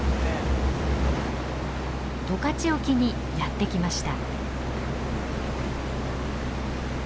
十勝沖にやって来ました。